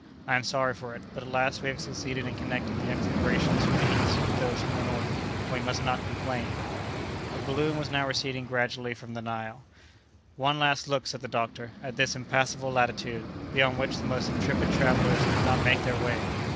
I am sorry for it; but, at last, we have succeeded in connecting the explorations from the east with those from the north; and we must not complain." The balloon was now receding gradually from the Nile. "One last look," said the doctor, "at this impassable latitude, beyond which the most intrepid travellers could not make their way.